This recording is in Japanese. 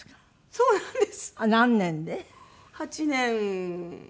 そうなんです。